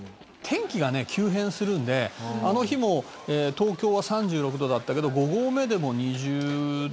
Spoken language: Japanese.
「天気がね急変するんであの日も東京は３６度だったけど５合目でも２０度ちょっとぐらい」